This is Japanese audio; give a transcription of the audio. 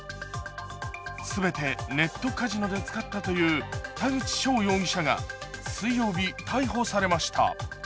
すべてネットカジノで使ったという田口翔容疑者が水曜日、逮捕されました。